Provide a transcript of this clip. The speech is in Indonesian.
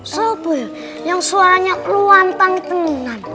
sobri yang suaranya luantang tengan